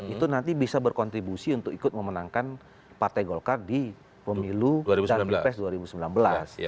itu nanti bisa berkontribusi untuk ikut memenangkan partai golkar di pemilu dan pilpres dua ribu sembilan belas